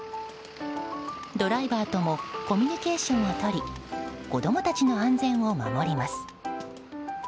ドライバーともコミュニケーションをとり子供たちの安全を守ります。